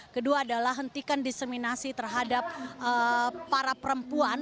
kedua adalah hentikan diseminasi terhadap para perempuan